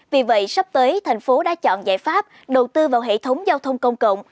vì vậy sắp tới thành phố đã chọn giải pháp đầu tư vào hệ thống giao thông công cộng